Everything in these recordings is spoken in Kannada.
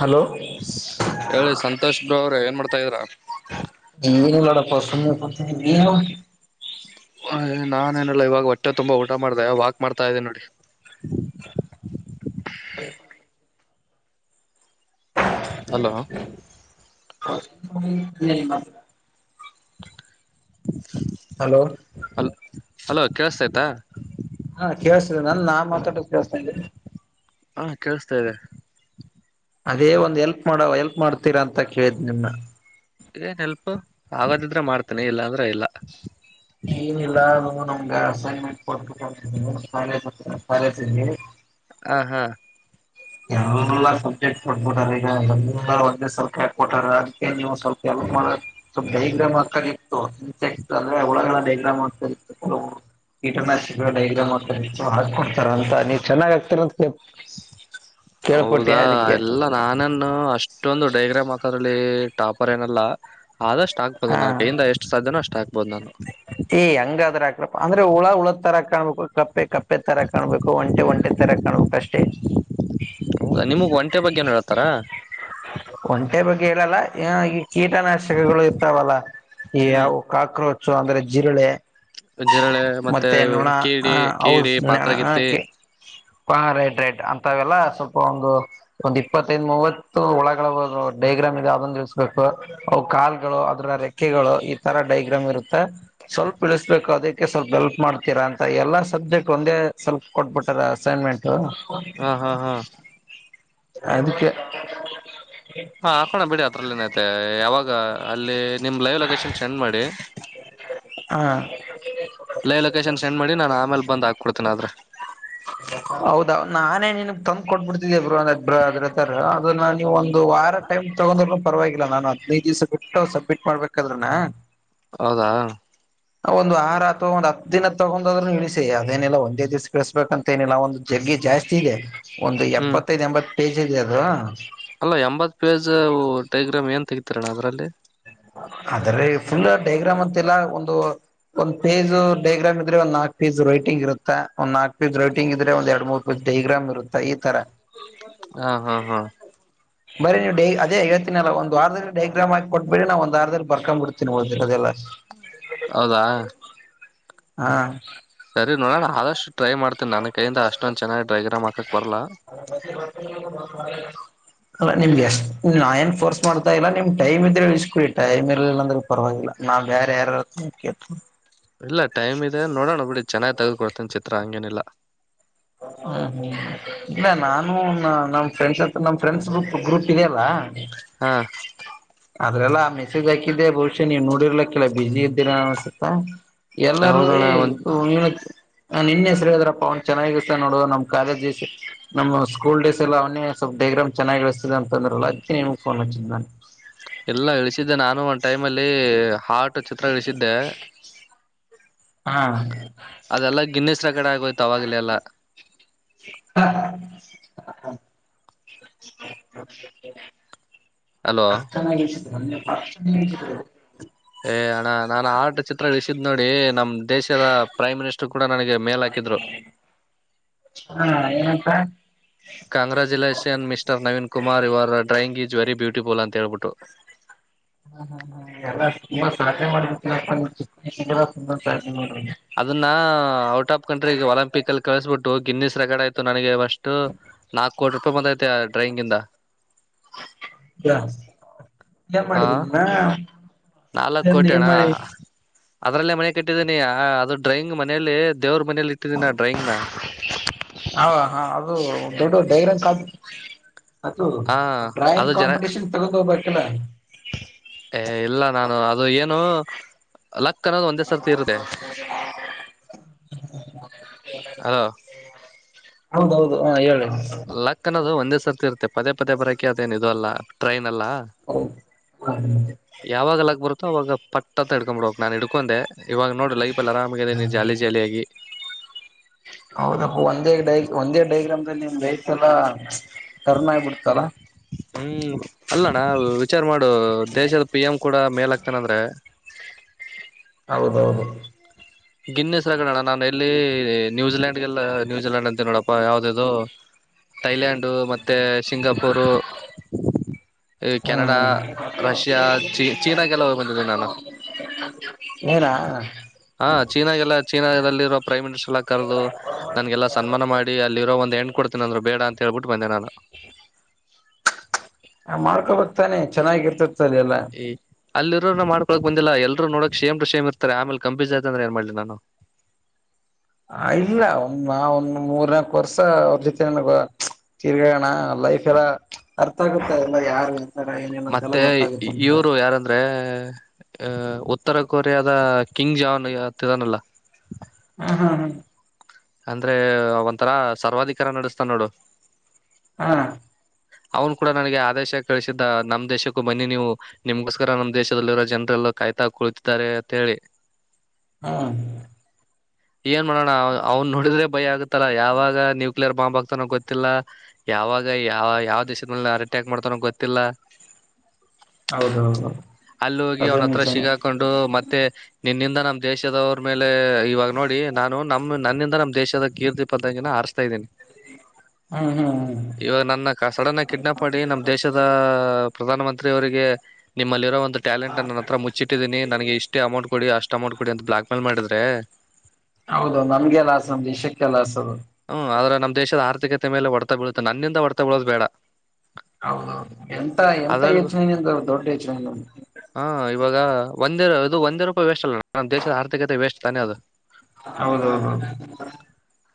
ಹಲೋ ನೀ ಹೇಳಿ ಸಂತೋಷ್ ಬ್ರೋ ಅವ್ರೆ ಏನ್ ಮಾಡ್ತಾ ಇದೀರಾ ಬಸ ನ ನಾನೇನಲ್ಲ ಇವಾಗ ಹೊಟ್ಟೆ ತುಂಬ ಊಟ ಮಾಡಿದೆ ವಾಕ್ ಮಾಡ್ತಾ ಇದ್ದೇ ನೋಡಿ ಹ ಹಲೋ ಹ ಹಲೋ ಅಲ್ ಹಲೋ ಕೇಳಸ್ತ ಆಯ್ತಾ ಹಾ ಕೇಳಳ್ಸ್ತಿ ನನ್ ನಾ ಮಾತಾಡಕ್ ಕೇಸ್ತಾ ಇದ್ದೇಿ ಹಾ ಕೇೇಳಸ್ತಾ ಇದೆ ಅದೇ ಒಂದ್ ಎಲ್ಪ್ ಮಾಡೋ ಎಲ್ಪ್ ಮಾಡ್ತೀರಾ ಅಂತ ಕೇಳಿದ್ ನಿಮ್ನ್ನ ಏನ್ ಹೆಲ್ಪ್ು ಆಗದಿದ್ರೆ ಮಾಡ್ತೇನೆಿ ಇಲ್ಲಾ ಅಂದ್ರೆ ಇಲ್ಲ ಏನಿಲ್ಲ ಅ ನಮ್ಗೆ ಅಸೈನ್ಮೆಂಟ್ ಕೊಡ್ಾಲಜ ಹ ಕಾಲೇಜಲ್ಲಿ ಹ ಹಾ ಸೆಕ್ಟ್ ಕೊಬಿಟ ಈಗ ಎ ಒ ಸ್ವಲ್ಪ ಹೇಕೊಟಾರ ಅದಕ್ಕೆ ನೀವು ಸ್ವಲ್ಪಪ್ ಮಾಡ ಸ್ವಲ್ಪ ಡೈಗ್ರಾಮ್ ಹಗ್ತತ್ತು ಅ್ರೆ ಡ್ರಾಮ್ ಆಗ್ತ ಕೀಟನಾಶಕ ಡೈಗ್ರಾಮ್ ಆಗ್ತ ಹಾಕೊಡ್ತಾರ ಅಂತ ನೀವ ಚೆನ್ನ್ ಆಗ್ತಿರ ಹೌದಾ ಎಲ್ಲ ನಾನನ್ನು ಅಷ್ಟೊಂದು ಡೈಗ್ರ ಮಕ್ಕಲ್ಲಿ ಟಾಪರ್ ಏನ ಅಲ್ಲ ಆದಷ್ಟು ಆಗ್ಬೋದು ಹಾ ನನ್ ಕೈಯಿಂದ ಎಷ್ಟು ಸಾಧ್ಯನ ಅಷ್ಟು ಹಾಕ್ಬೋ್ ನಾನು ಏ ಹಂಗಾದ್ರ ಅಂದ್ರೆ ಹುಳ ಉಳ ತರ ಕಾಣ್ಬೇಕು ಕಪ್ಪೆ ಕಪ್ಪೆ ತರ ಕಾಣ್ಬೇಕು ಒಂಟೆ ಒಂಟೆ ತರ ಕಾಣ್ಬೇಕು ಅಷ್ಟೇ ಹೌದಾ, ನಿಮಗ್ ಒಂಟೆ ಬಗ್ಗೆ ಏನ್ ಹೇಳ್ತಾರ ಒಂಟೆ ಬು ಕೇಳಲ್ಲ ಕೀಟನಾಶಕಗಳು ಇರ್ತಾವಲ್ಲ ಈ ಹ್ಮ್ ಯವು ಕಾಕ್ರೋಚ್ ಸೊ ಅಂದ್ರೆ ಜಿರಳೆ ಜಿರಳೆ ಮತ್ತೆ ಕೀಡಿ ಕೇಡಿ ಪಾತ್ರಗಿತ್ತಿ ಪೈಡ್ರೈಡ್ ಅಂತವೆೆಲ್ಲ ಸ್ವಲ್ಪ ಒಂದು ಒಂದ್ ಇಪ್ಪತ್ತೈದು ಮೂವತ್ತು ಒಳಗಳ ಡೈಗ್ರಾಮ್ ಇದೆ ಅದನ್ನ ಇಳಿಸಬೇಕು ಅವು ಕಾಲ್ಗಳು ಅದ್ರ ರೆಕ್ಕೆಗಳು ಈ ತರ ಡೈಗ್ರಾಮ್ ಇರುತ್ತೆ ಸ್ವಲ್ಪ ಇಳಿಸಬೇಕು ಅದಕ್ಕೆ ಸ್ವಲ್ಪ ಹೆಲ್ಪ್ ಮಾಡ್ತೀರಾ ಅಂತ ಎಲ್ಲಾ ಸಬ್ಜೆಕ್ಟ್ ಒಂದೇ ಸ್ವಲ್ಪ್ ಕೊಟ್ಬಿಟ್ಟಾರ ಅಸೈನ್ಮೆಂಟ್ ಹ ಹಾ ಹಾ ಹಾ ಅದಕ್ಕೆ ಹಾ ಹಾಕೋಣ ಬಿಡಿ ಅತ್ರಲ್ಲಿ ಏನಐತೆ ಯಾವಾಗ ಅಲ್ಲಿ ನಿಮ್ ಲೈವ್ ಲೊಕೇಶನ್ ಸೆ್ ಮಾಡಿ ಹ ಲೈವ್ ಲೊಕೇಶನ್ ಸೆ್ ಮಾಡಿ ನಾನು ಆಮೇಲೆ ಬಂದ್ ಹಾಕ್ಕೊಡ್ತೇನೆ ಆದ್ರೆ ಒಬ್್ರ ಅದ್ರ ತರ ಅದನ್ನ ನೀವು ಒ ದು ವಾರ ಟೈಮ್ ತಗೊಂಡ್ ಪರವಾಗಿಲ್ಲ ನಾನ ಹದಿನೈ ದಿವಸ ಬಿಟ್ಟ ಸಬ್ಮಿಟ್ ಮಾಡ್ಬೇಕಾದ್ರನಾ ಹೌದಾ ಒಂದು ಆಹಾರ ಅಥವಾ ಒಂದು ಹತ್ತು ದಿನದ ತಗೊಂಡದ್ೂ ಇಳಿಸಿ ಅದೇನಿಲ್ಲ ಒಂದೇ ದಿವ್ ಕಳಸ್ಬೇಕಂತ ಏನಿಲ್ಲ ಒಂದು ಜಗ್ಗಿ ಜಾಸ್ತಿ ಇದೆ ಒಂದು ಹ್ಮ್ ಎಪ್ಪತ್ತೈದು್ ಎಂಬತ್ತು ಪೇಜಿ ರಿದು ಅಲ್ಲ ಎಂಬತ್ ಪೇಜ್ ಟೈಗ್ರಾಮ್ ಏನ್ ತೆಗತಿರಣ್ಣ ಅದ್ರಲ್ಲಿ ಆದದ್ರೆ ಫುಲ್ ಡೈಗ್ರಾಮ್ ಅಂತ ಇಲ್ಲ ಒಂದು ಒಂದ್ ಪೇಜ್ ಡೈಗ್ರಾಮ್ ಇದ್ರೆ ಒಂದ್ ನಾಕ್ ಪೇಜ್ ರೈಟಿಂಗ್ ಇರುತ್ತೆ ಒಂದು ನಾಕ್ ಪಿ ರೈಟಂಗ ಇದೆ ಒಂದ ಎರ ಮೂತ್ ಟಲಿಗ್ರಾಮ್ ಇರುೆ ಹಾ ಹಾ ಹಾ ಬರಿ ನೀ ಡೈ ಅದೇ ಹೇಳ್ತೀನಲ್ಲ ಒಂದು ವಾರದಿಂದ ಡೈ್ರಾಮ್ ಆಾಿ ಕೊಟ್ಟ ಬೆಳಿ ನಾ ಒಂದ ಆರ್ ದದಲ್ಲಿ ಬರ್ಕೊಂಡ್ ಬಿಡ್ತೀನಿೋದಿ ಅದೆಲ್ಲ ಹೌದಾ ಹಾ ಸರಿ ನೋಡಣ ಆದಷ್ಟು ಟ್ರೈ ಮಾಡ್ತಿ ನನ್ನ ಕೈಯಿಂದ ಅಷ್ಟೊಂದ್ ಚೆನ್ನಾಗಿ ಡ್ರೈಗರ್ ಹಕ್ಕಕ್ ಬರಲ್ಲ ಅಲ್ಲ ನಿಮ್ಗೆ ಎಷ್ಟ್ ನಾ ಏನ್ ಫೋರ್ಸ್ ಮಾಡ್ತಾ ಇಲ್ಲ ನಿಮ್ ಟೈಮ್ ಇದ್ರೆ ಇಸ್ಕಡಿ ಟೈಮ್ ಇರ್ಲಿಲ್ಲ ಅಂದ್ರೆ ಪರವಾಗಿಲ್ಲ ನಾ್ ಬೇರೆ ಯಾರೇಳ್ತ ಇಲ್ಲ ಟೈಮ್ ಇದೆ ನೋಡೋಣ ಬಿಡಿ ಚೆನ್ನಾಗಿ್ ತೆಗೆ್ದಕೊಡ್ತೇನ ಚಿತ್ರ ಹಂಗೇನಿಲ್ಲ ಹ್ಮ ಹ್ಮ್ ಇಲ್ಲ ನಾನು ನಮ್ ಫ್ರೆಂಡ್ಸ್ ನಮ್ ಫ್ರೆಂಡ್ಸ್ ಗ್ರೂಪ್ ಗ್ರೂಪ್ ಇೆಯ ಅಲ್ಲ ಹಾ ಅದ್ರೆಲ್ಲಾ ಮೆಸೇಜ್ ಹಾಕಿದ್ದೆ ಬಹುಶಃ ನೀವ್ ನೋಡಿರ್ಲಕ್ಕಲ್ಲ ಬಸಿ ಇದ್ದೀರಾ ಅನ್ಸುತ್ತಾ ಎಲ್ಲರೂ ಹೌದಣ್ಣ ಏ ಒಂದ್ ಹೇಳಕ್ಕೆ ನಾನ್ ನಿನ್ನೆ ಹೆ ಸರಿ ಹದಾರಪ್ಪಾ ಅವ್ ಚೆನ್ನಾಗಿರ್ತ್ತ ನೋಡು ನಮ್ ಕಾಲೇಜ್ ಡೇಸ್ ನಮ್ಮ್ ಸ್ಕೂಲ್ ಡೇಸ್ ಎಲ್ಲ ಅವನೇ ಸ್ವಲ್ಪ ಡಗ್ರಾಮ್ ಚನ್ನಾಗಿ ಇಿಸತದ ಅಂತಂದ್ರಲ್ಲ ಅದಕ್ಕೆ ನಿಮಗ್ ಫೋನ್ ಹಚ್ಚಿದ್ ನಾನು ಎಲ್ಲ ಇಳಿಸಿದ್ದೆ ನಾನು ಒಂದ್ ಟೈಮ್ ಅಲ್ಲಿ ಹಾಟ್ ಚಿತ್ರಗಳಿಸಿದ್ದೆ ಹಾ ಅದೆಲ್ಲ ಗಿನ್ನಿಸ್ರ ಗಡೆ ಆಗೋಯ್ತು ಆಾಗಲೆ ಎಲ್ಲಾ ಹಾ ಅಲ್ವಾ ಚೆನ್ನಾಗಿ ಧನ್ಯ ಪ ಏ ಅಣ್ಣ ನಾನನ್ ಆ ಚಿತ್ರ ಇಳಿಸಿದ ನೋಡಿ ನಮ ದೇಶದ ಪ್ರೈಮ್ ಮಿನಿಸ್ಟರ್ ಕೂಡ ನನಗೆ ಮೇಲ್ ಹಾಕಿದ್ರು ಹಾ ಏನಂತ ಕಂಗ್ರಾಚುಲೇಷನ್ ಜವರಿ ಬ್ಯೂಟಿ ಪೋಲ್ ಅಂತ ಹೇಳ್ಬಿಟ್ಟು ಹಾ ಹಾ ಎಲ್ಲಾ ತುಂಬಾ ಸಾಧನೆ ಮಾಡ್ ಚಿ ತು ಸಾಧನೆ ಮಾಡಿ ಅದನ್ನ ಔಟ್ ಆಫ್ ಕಂಟ್ರಿ ಒಲಿಂಪಿಕ್ ಅಲ್ಲಿ ಕಳಿಸ್ಬಿಟ್ಟು ಗಿನ್ನಿಸ್ ರೆಗಡ್ ಆಯ್ತು ನನಗೆ ಅಷ್ಟು ನಾಲ್ಕು ಕೋಿ ರೂಪಾಯಿ ಬಂದ್ ಐತೆ ಟ್ರೈಂಗಿಂದ ಹ ನ್ ಆ ಮಾಡಿದೀನಿ ನಾಲ್ಕ್ ಕೋಟೆಣ್ಣ ಅದ್ರಲ್ಲೇ ಮನೆ ಕಟ್ಟಿದ್ದೀನಿ ಅದು ಡ್ರಯಿಂಗ್ ಮನೆಯಲ್ಲಿ ಹ ಹ ಅದು ದೊಡ್ಡ ಧೈರಂಜ ಅದು ಅದು ಹ ಅದು ಡ್ರಾಯಿಂಗ್ ಜನ ಕಾಂಪಿಟೇಷನ್ ತಗೊಂಡ್ ಹೋಗ್ಬು ಕನ್ನ ಏ ಇಲ್ಲ ನಾನು ಅದು ಏನು ಅಲ್ಲ ಅಲೋ ಹೌದೌದು ಹ ಹೇಳಿ ಲಕ್ಕ ಅನ್ನೋದು ಒಂದೇ ಸರ್ತಿ ಇರುತ್ತೆ ಪದೇ ಪದೇ ಬರಕೆ ಅದೇಏನ್ ಇದು ಅಲ್ಲ ಪ್ರಟೈ್ ಹೌದು ಯಾವಾಗಲಕ್ ಬರುತ್ತೋ ಅವಾಗ ಪಟ್ಟತ್ತ ಹಡ್ಕೊಂಡ್ಬಡಕ್ ನಾು ಹಡ್ಕೊಂಡೆ ಇವಾಗ ನೋಡಡಿ ಲ ಇ ಆರಾಮನೆ ಜಾಲಿ ಜಾಲಿಯ ಆಾಗಿ ಹೌದಪ್ಪ ಒಂದೇ ಡೈ ಒಂದೇ ಡೈಗ್ರಾಮ್ಲ್ಲಿ ನಿಮ ಬ ಇಲ್ಲ ಕರ್ನ ಆಾಗಿಬಿಡ್ತಲ್ಲ ನಾ ವಿಚಾರ ಮಾಡ ನ ದೇಶದ ಪಿ ಎಂ ಕೂಡ ಮೇಲ್ ಹಾಕ್ತೇಾನ ಅಂದ್ರೆ ಹೌದೌದು ಗಿನ್ನೆಿಸ್ರಗೋಣ ನಾನು ಎಲ್ಲಿ ನ್ಯೂಜಿಲೆಯಾಂಡ್ ಲ್ಲನ್ೂಜಿಲೆಂಡ್ ಅಂತ ನೋಡ ಯಾವ್ದದು ಥೈಲ್ಯಾಂಡ್ ಮತ್ತೆ ಸಿಂಗಾಪುರ್ ಈ ಹ್ಮ್ ಕೆನಡಾ ರಷ್ಯಾ ಚ ಚೀನಾಾಗೆಲ್ಲ ಹೋಗಿ ಬಂದಿದ್ದೀಿ ನಾನು ಏನ ಹಾ ಚೀನಾಗೆಲ್ಲ ಚೀನಾದಲ್ಲಿರುವ ಪ್ರೈ ಸಲ ಕರೆದು ನಂಗೆಲ್ಲಾ ಸನ್ಮಾನ ಮಾಡಿ ಅಲ್ಲಿರೋ ಒಂದ ಎ ಕೊಡ್ತೀನಿ ಅಂದ್ರು ಬೇಡ ಅಂತ ಹೇಳ್ಬಿಟ್ಟು ಬಂದೆ ನಾನು ಮಾಡ್ಕೊಬಕ್ತಾನೆ ಚೆನ್ನಾಗಿರ್ತತಿ ಸರಿ ಅಲ್ಲ ಅಲ್ಲಿರೋರು ಮಾಡ್ಕೊಳಕ್ ಬಂದಿಲ್ಲ ಎಲ್ರು ನೋಡಕ್ ಶೇಮ್ ು ಶೇಮ ಇರ್ತಾರೆ ಆಮೇಲೆ ಕಂಪೀಸ್ ಆಯತ ಅಂದ್ರೆ ಏನ್ ಮಾಡಿಲ್ಲ ನಾನು ಹ ಇಲ್ಲ ಒಂದ ನಾವ ಒಂದ ಮೂರ್ನಾಾಕ ವರ್ಷ ಅವ್ರ ಜೊತೆನಗ ತಿರ್ಗಣ ಲೈಫ್ ಎಲ್ಲ ಅರ್ಥ ಆಗುತ್ತಾ ಎಲ್ಲ ಯಾರು ಎಂತಾರ ಏನೇನ ಅಂತೆಲ್ಲ ಮತ್ತೆ ಗೊತ್ತಾಗುತ್ತ ಅಂತ ಇವ್ರು ಯಾರಂದ್ರೆ ಅ ಉತ್ತರ ಕೊರಿಯಾದ ಕಿಂಗ್ ಜಾನ್ ಹತ್ತಿದಾನಲ್ಲ ಹ ಹಾ ಹಾ ಅಂದ್ರೆ ಒಂಥರ ಸರ್ವಾಧಿಕಾರ ನಡೆಸ್ತಾ ನೋಡು ಹಾ ಅವನು ಕೂಡ ನನಗೆ ಆದೇಶ ಕಳಿಸಿದ್ದ ನಮ್ ದೇಶಕ್ಕೂ ಬನ್ನಿ ನೀವು ನಿಮ್ಗೋಸ್ಕರ ನಮ್ ದೇಶದಲ್ಲಿರೋ ಜನರೆಲ್ಲೋ ಕಾಯ್ತಾ ಕುೊಳ್ತಿದ್ದಾರೆ ಅಂತ ಹೇಳಿ ಹಾ ಏನ್ ಮಾಡೋಣ ಅವ್ನ್ ನೋಡಿದ್ರೆ ಭಯ ಆಗತ್ತಲ್ಲಾ ಯಾವಾಗ ನ್ಯೂಕ್ಲಿಯರ್ ಬಾಂಬ್ ಆಗ್ತಾನೋ ಗೊತ್ತಿಲ್ಲ ಯಾವಾಗ ಯಾವ ಯಾವ ದೇಶದ ಮೇ ಅ ಅಟ್ಯಾಕ್ ಮಾಡ್ತನೋ ಗೊತ್ತಿಲ್ಲ ಹೌದೌದು ಅಲ್ಲಿ ಹೋಗಿ ಅದು ಅವನ ಹತ್ರ ನಿಜಾನೇ ಸಿಗಾಕೊಂಡು ಮತ್ತೆ ನಿನ್ನಿಂದ ನಮ್ಮ ದೇಶದವರ ಮೇಲೆ ಇವಾಗ ನೋಡಿ ನಾನು ನಮ್ಮ ನನ್ನಿಂದ ನಮ್ಮ ದೇಶದ ಕೀರ್ತಿ ಪದಂಗಿನ ಆರಿಸ್ತಾ ಇದ್ದೀನಿ ಹ್ಮ ಹಾ್ ಹ್ಮ ಸಡನ್ನಾಗಿ ಕಿಡ್ನಾಯಪ್ ಮಾಡಿ ನಮ್ಮ ದೇಶದ ಪ್ರಧಾನಮಂತ್ರಿ ಅವರಿಗೆ ನಿಮ್ಮಲ್ಲಿ ಇರೋಂತ ಟಾಲಂಟ್ ಅ ನನ್ನತ್ರ ಮುಚ್ಚಟ್ಟೀನಿ ನಗೆ ಇಷ್ಟ ಅಮೌಂಟ್ ಕೊಡಿ ಅಷ್ಟ ಅಮೌಂ ಕೊಡಿ ಅ ಬ್ಲಕ್ ಮೇಲ್ ಮಾಡ ಹ ಹೌದು ನಮ್ಗೆ ಲ ಆಾಸ ಅಂದ ದೇಶಕ್ಕೆಲ್ಲಾಸ ಅದು ಹ್ಮ್ ಆದ್ರ ನಮ್ ದೇಶದ ಆರ್ಥಿಕತೆ ಮೇಲೆ ಒಡತ ಬೀಳುತ್ತೆ ನನ್ನಿಂದ ಹೊಡತ ಬೀಳೋದು ಬೇಡ ಹೌದೌದು ಎಂತ ಎಂತ ಅದ್ರಲ್ಲಿ ಯೋಚನೆ ನಿಿಂದ ದೊಡ್ಡ ಯೋಚನೆ ಒಂದೇರ ಇದು ಒಂದೇ ರೂಪಾಯಿ ವೇಸ್ಟ್ ಅಲ್ಲ ನಮ್ಮ ದೇಶದ ಆರ್ಥಿಕತೆ ವೇಸ್ಟ್ ತಾನೇ ಅದು ಹೌದೌದು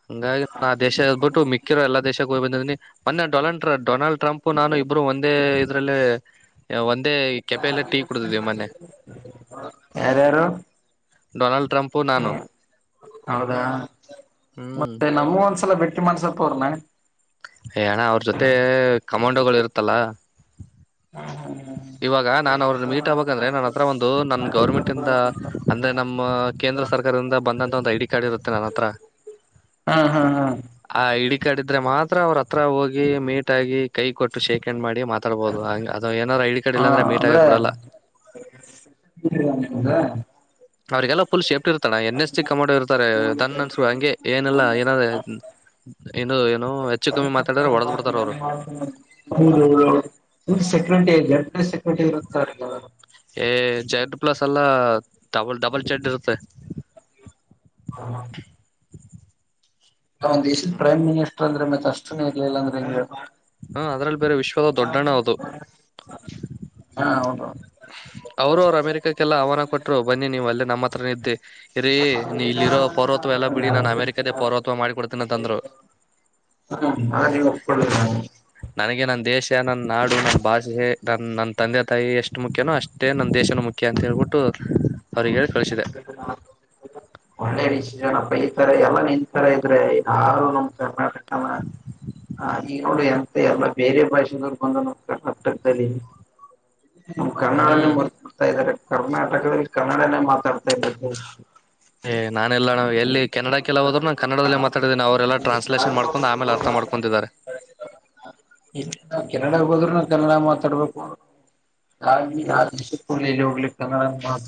ಹಂಗಾಗಿಾ ಆ ದೇಶದ್ಬಿಟ್ಟು ಮಿರ ಎಲ್ಲ ದೇಶಕ್ಕೆ ಹೋಗ್ ಮೊನ್ನೆ ಡೊನಾಲ್ ಡೊನಾಲ್ಡ್ ಟ್ರಂಪ್ ನಾನು ಇಬ್ಬರು ಒಂದೇ ಇದ್ರಲ್ಲಿ ಒಂದ ಯರಾರು ೊನಾಲ್ಡ್ ಹ್ಮ ಹೌದಾ ಹ್ಮ್ ಮತ್ತೆ ನಮ್ಮ ಒಂದ್ಸಲ ಬೆಟ್ಟಿ ಮಾಡ್ಸಲ್ಪ ಅವ್ರನ ಯ ಅಣ್ಣ ಅವ್ರ ಜೊತೆ ಕಮಾಂಡೋಗಳು ಇರುತ್ತಲ್ಲ ಇವಾಗ ನಾನನ್ ಅವ್ರನ್ನ ಮೀಟ್ ಆಬಬೇಕ ಅಂದ್ರೆ ನನ್ನ ಹತ್ರ ಒಂದು ನನ್ ಗವರ್ಮೆಂಟ್ ಇಂದ ಅಂದ್ರೆ ನಮ್ಮ ಕೇಂದ್ರ ಸರ್ಕಾರದಿಂದ ಬಂದಂತ ಒಂದು ಐಡಿ ಕಾರ್ಡ್ ಇರುತ್ತೆ ನನ್ನ ಹತ್ರ ಹಾ ಹಾ ಹಾ ಆ ಐ ಕಡಿದ್ರೆ ಮಾತ್ರ ಅವ್ರ ಹತ್ರ ಹೋಗಿ ಮೀಟ್ ಆಗಿ ಕೈ ಕೊಟ್ಟು ಶೇಕ್ ಎಂಡ್ ಮಾಡಿ ಮಾತಾಡಬುದು ಹಾ ಅಂದ್ರೆ್ರ ಅವ್ರರಿಗೆಲ್ಲ ಪುಲ್ ಶ ಇರ್ತಣ ಎನ್ ಎಸ್ ಸಿ ಕ ಮಾಡ ಇರ್ತಾರೆ ದನ್ ಅನ್ಸರು ಹಂಗೆ ಏನಲ್ಲಾ ಏನಾದ ಏನು ಏನ ಹೆಚ್ಚು ಕಮ್ಮಿ ಮಾತಾಡ್ರ ಹೊಡದ್ ಬಿಡ್ತಾರ ಅವರು ಎ ಜ ಟ್ಟಿ ಇರುತ್ತಾರಲ್ಲ ಅವ ಏ ಜೆಡ್ ಪ್ಲಸ್ ಎಲ್ಲ ಡಬಲ್ ಡಬಲ್ ಜೆಡ್ ಇರುತ್ತೆ [inaudible] ನ ಒ್ ದೇಶದ ಪ್ರಮ್ ಮಿನಿಸ್ಟರ್ ಅಂದ್ರೆ ಮೆ ಕಷ್ಟನೇ ಇಗ್ಲಿಲ್ಲ ಅಂದ್ರೆ ಹೆಂಗ ಹ್ಮ ಅದ್ರಲ್ಲಿ ಬೇರೆ ವಿಶ್ವದ ದೊಡ್ಡಣ್ಣ ಅದು ಹಾ ಅವರು ಅವರು ಅಮೇರಿಕಕ್ಕೆಲ್ಲ ಆಹ್ಾನ ಕೊಟ್ರು ಬನ್ನಿ ನೀವ್ ಅಲ್ಲೇ ನಮ್ಮ ಹತ್ರ ಇದ್ದಿ ಇರೀ ನೀ ಇಲ್ಲಿರೋ ಪೌರ್ವತ್ವ ಎಲ್ಲ ಬಿಡಿ ನಾನು ಅಮೇರಿಕದೇ ಪೌರತ್ವ ಮಾಡಿ ಕೊಡ್ತೀನಂತಂದ್ರು ನನಗೆ ನನ್ ದೇಶ ನನ್ನ ನಾಡು ನನ್ನ ಭಾಷೆ ನನ್ನ ನನ್ನ ತಂದೆ ತಾಯಿ ಎಷ್ಟು ಮುಖ್ಯನೋ ಅಷ್ಟೇ ನನ್ನ ದೇಶನ ಮುಖ್ಯ ಅಂತ ಹೇಳ್ಬಿಟ್ಟು ಅವ್ರಿಗೆ ಹೇಳಿ ಕಳಿಸಿದೆ ಹ ಒಳ್ಳರಿಿಸಿ ಜನ ಬೈತರ ಎಲ್ಲಾ ನಿನ್ತರ ಇದ್ರೆ ಯಾರು ನಮ ಕರ್ನಾಟಕನ ಈ ನೋ ಎಂತ ಎಲ್ಲಾ ಬೇರೆ ಭಾಷೆದವರ್ ಬಂದು ನಮ ಕರ್ನಾಟಕದಲ್ಲಿ ನ್ ಕರ್ನಾಡನ ಹ್ಮ್ ಬರ್ಬಡ್ತಾ ಇದ್ದಾರೆ ಕರ್ನಾಟಕದಲ್ಲಿ ಕನ್ನಡನೇ ಮಾತಾಡ್ತಾ ಇಲ್ಲ ಜಸ್ ಏ್ ನಾನ ಎಲ್ಲ ಎಲ್ಲಿ ಕನ್ನಡ ಕೆಲ ಹೋದ್ರು ನಾನು ಕನ್ನಡದಲ್ಲೇ ಮಾತಾಡಿದೇನಿ ಅವೆಲ್ಲ ಟ್ರಾನ್ಸ್ಲೇಷನ್ ಮಾಡ್ಕೊಂಡು ಆಮೇಲೆ ಅರ್ಥ ಮಾಡ್ಕೊಂಡಿದ್ದಾರೆ ಎಲ್ಲಿ ನಾವು ಕೆನಡಾಗ ಹೋದ್ರು ನಾವು ಕನ್ನಡ ಮಾತಾಡ್ಬೇಕು ಯ ಯ ಕೊಡಲ್ಲಿ ಹೋಗ್ಲಿಕ್ಕೆ ಕನ್ನಡ ಮಾತ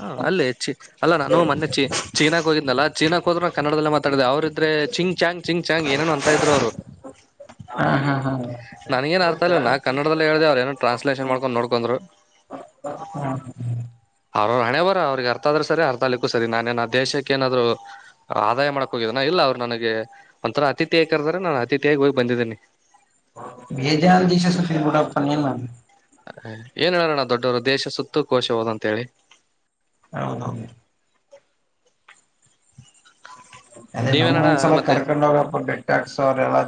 ಹಾ ಅಲ್ಲೇ ಚಿ ಅಲ್ಲಾ ನಾನು ಮೊನ್ನೆ ಚಿ ಚೀನಾಾಗ ಹೋಗಿದ್ದ್ನಲ್ಲ ಚೀನಕ್ ಹೋ್ರ ಕನ್ನಡದಲ್ಲ ಮಾತಾಡಿದೆ ಅವ್ರ ಆದ್ರೆ ಚಿಂಗ್ ಚಾಂಗ್ ಚಿಂಗ್ ಚಾಂಗ್ ಏನೇನು ಅಂತ ಇದ್ರು ಅವರು ಹಾ ಹಾ ಹಾ ನನ್ಗೇನ್ ಅರ್ಥ ಇಲ್ಲ ನ ಕನ್ನಡದಲ್ಲಿ ಹೇಳ್ದ ಅವ್್ರ ಏನ ಟ್ರಾನ್ಸ್ಲೇಷನ್ ಮಾಡ್ಕೊಂಡ್ ನೋಡ್ಕೊಂಡ್ರು ಹಾ ಅವ್ರ ಹಣೆ ಬರ ಅವ್ರಿಗೆ ಅರ್ಥ ಆದ್ರರು ಸರಿ ಅರ್ಥ ಅಗ್ಲಿಕ್ಕೂ ಸರಿ ನಾನೇನ್ ದೇಶಕ್ಕೆ ನಾದ್ ಆದಾಯ ಮಾಡಕ ಹೋಗಿದನ ಇಲ್ಲ ಅವ್ರು ನನಗೆ ಒಂಥರ ಅತಿಥಿಯ ಕರ್ದ್ರ ನಾನು ಅತಿಥಿಯೇಗ್ ಹೋಗಿ ಬಂದಿದ್ದೀನಿ ಭೇಜ ದಶ ಸ ಗಡಪ್ಪ ಎಏಲ್ಲ ಹ ಏನ್ ಹೇಳಾರಣ ದೊಡ್ಡವರು ದೇಶ ಸುತ್ತೂ ಕೋಶ ಹೋದಂತ ಹೇಳಿ ಹೌದೌದು ಅದೇ ನಮ್ ನೀವೇನಣ್ಣ ಒಂದ್ಸಲ ಮತ್ತೆ ಕರ್ಕೊಂಡ್ೋಗಪಟ್ಟು ಕ್ಸ್ ಅವ ಎಲ್ಲ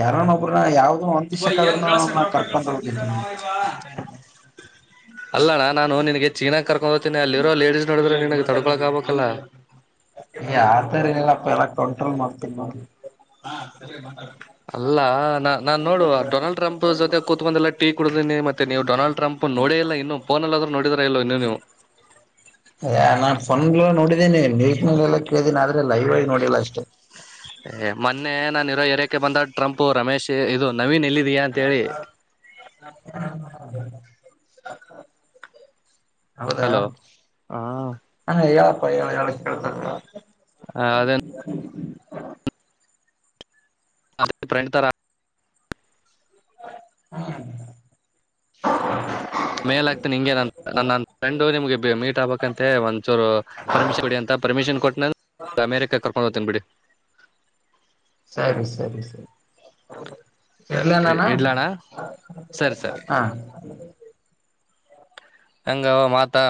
ಯಾರನೊಬ್್ರ ಯಾವ್ದ ಬಯ ಏನ್ ಗಳಸಕ್ ರೊಕ ಗಳಸಕ್ ನವಾ ಅಲ್ಲಣ್ಣ ನಾನು ನಿನಗೆ ಚೀನಾಾಗ ಕರ್ಕೊಂಡ ಹೋಗ್ತೀನಿ ಅಲ್ಲಿರೋ ಲೇಡಿಸಸ್ ನೋಡಿದ್ರೆ ನನ್ಗ್ ತಡ್ಕೊಳಕ್ ಆಗ್ಬೇಕಲ್ಲ ಆತರ ಇಲ್ಲಪ್ಪ ಎಲ್ಲ ಕಂಟ್ರೋಲ್ ಮಾಡ್ತೀನಿ ನ ಅಲ್ಲಾ ನಾ ನಾನ್ ನೋುವ ಡೊನಾಲ್ಡ್ ಟ್ರಂಪ್ ಜೊತೆ ಕೂತ್ ಬಂದ ಎಲ್ಲ ಟಕ್ ಕೊಡ ಮತ್ತೆ ನೀವು ಡೊನಾಲ್ಡ್ ಟ್ರಂಪ್ ನೋಡಿ ಇಲ್ಲ ಇನ್ನು ಫೋನಲ್ಲಾದ್ರೂ ನೋಡಿದಾರ ಇಲ್ಲ ಇನ್ನು ನೀವು ೀನನೆ ನೀಟ್ನಲೆಲ್ಲ ಕೇಳ್ದೀನಿ ಆದ್ರೆ ಲೈವ್ ಆಗಿ ನೋಡಿಲ್ಲ ಅಷ್ಟೇ ಮೊನ್ನೆ ನಾನು ಇರೋ ಹಏರಕೆ ಬಂದ ಟ್ರಂಪ್ು ರಮೇಶ್ ಇದು ನವೀನ್ ಎಲ್ಲ ಹ ಹೌದಾ ಹಲೋ ನ ಯಾವ ಪೈಳ ಹ ಅದೇ ಅ ಪ್ರ್ರೆಂಡ್ ತರ ಹ್ಮ ಮೇಲ್ ಆಗ್ತೀನಿ ಹಿಂಗೆ ನನ್ ನನ್ನ ಫ್ರೆಂಡು ನಿಮ್ಗೆ ಮೀಟ್ ಆಗ್ಬೇಕಂತೆ ಒಂದ್ಚೂರು ಪರ್ಮಿಷನ್ ಕೊಡಿ ಅಂತ ಪರ್ಮಿಷನ್ ಕೊಟ್ಟನ ಅಮೇರಿಕಾ ಕರ್ಕೊಂಡ್ ಹೋಗ್ತೇನ್ ಬಿಡಿ ಸರಿ ಸರಿ ಸರಿ ಸರಿ ಎಲ್ಲ ನಾನ ಇಡ್ಲಣ್ಣ ಸರಿ ಸರಿ ಹ ಹಂಗ ಮಾತಾ